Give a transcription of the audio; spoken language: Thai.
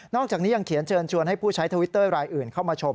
อกจากนี้ยังเขียนเชิญชวนให้ผู้ใช้ทวิตเตอร์รายอื่นเข้ามาชม